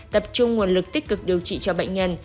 tập trung nguồn lực tích cực điều trị cho bệnh nhân